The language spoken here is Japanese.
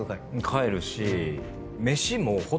帰るし。